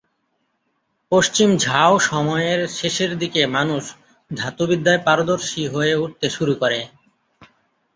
পশ্চিম ঝাও সময়ের শেষের দিকে মানুষ ধাতুবিদ্যায় পারদর্শী হয়ে উঠতে শুরু করে।